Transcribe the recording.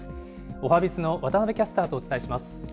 おはＢｉｚの渡部キャスターとお伝えします。